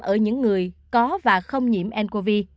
ở những người có và không nhiễm ncov